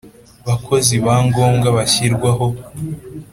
Bakozi ba ngombwa bashyirwaho